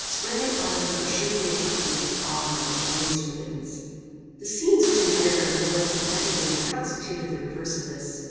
Spring and autumn are sure to be accompanied with agues and bilious remittents. The scenes which environed our dwellings at Mettingen constituted the reverse of this.